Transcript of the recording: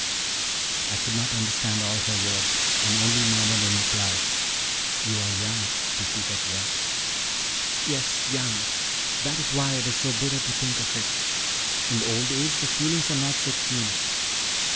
I could not understand all her words, and only murmured in reply: "You are young to speak of death." "Yes, young; that is why it is so bitter to think of. In old age the feelings are not so keen."